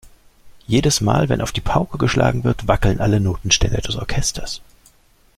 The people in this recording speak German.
Jedes Mal, wenn auf die Pauke geschlagen wird, wackeln alle Notenständer des Orchesters.